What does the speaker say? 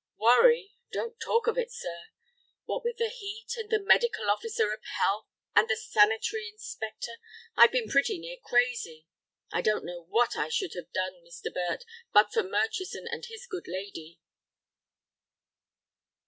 "Worry—don't talk of it, sir. What with the heat, and the Medical Officer of Health, and the Sanitary Inspector, I've been pretty near crazy. I don't know what I should have done, Mr. Burt, but for Murchison and his good lady."